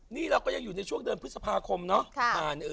นี่เราก็ยังอยู่ในช่วงเดือนพฤษภาคมเนาะ